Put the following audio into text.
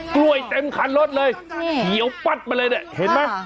กล้วยเต็มคันรถเลยเหี่ยวปั๊ดมาเลยเห็นไหม